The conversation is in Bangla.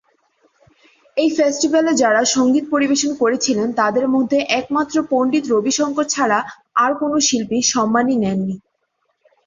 এই ফেস্টিভ্যালে যারা সঙ্গীত পরিবেশন করেছিলেন তাদের মধ্যে একমাত্র পণ্ডিত রবি শংকর ছাড়া আর কোন শিল্পী সম্মানী নেননি।